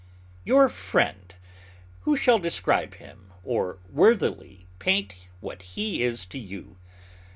Your friend! Who shall describe him, or worthily paint what he is to you?